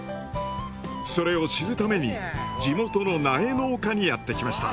それを知るために地元の苗農家にやってきました。